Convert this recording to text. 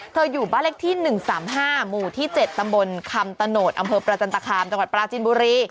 อยู่บ้านเลขที่๑๓๕หมู่ที่๗ตำบลคำตะโนธอำเภอประจันตคามจังหวัดปราจินบุรี